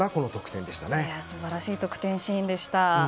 素晴らしい得点シーンでした。